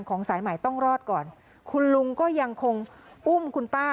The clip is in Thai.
สายใหม่ต้องรอดก่อนคุณลุงก็ยังคงอุ้มคุณป้า